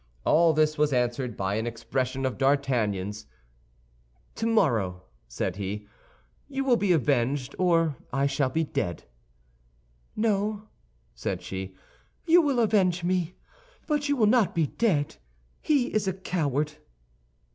All this was answered by an expression of D'Artagnan's. "Tomorrow," said he, "you will be avenged, or I shall be dead." "No," said she, "you will avenge me; but you will not be dead. He is a coward."